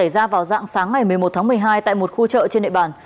ra vào dạng sáng ngày một mươi một tháng một mươi hai tại một khu chợ trên địa bàn